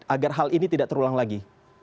agar hal ini tidak terulang lagi